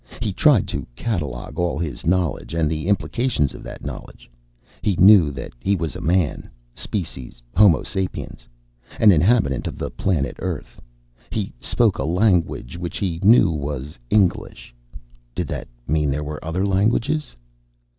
He tried to catalogue all his knowledge, and the implications of that knowledge. He knew that he was a man, species Homo sapiens, an inhabitant of the planet Earth. He spoke a language which he knew was English. (Did that mean that there were other languages?)